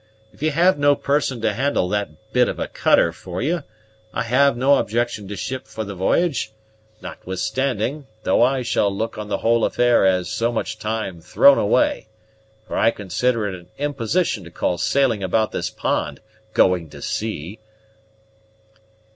If you have no person to handle that bit of a cutter for you, I have no objection to ship for the v'y'ge, notwithstanding; though I shall look on the whole affair as so much time thrown away, for I consider it an imposition to call sailing about this pond going to sea."